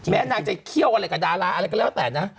นางจะเคี่ยวอะไรกับดาราอะไรก็แล้วแต่นะ